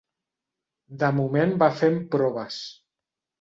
De moment va fent proves.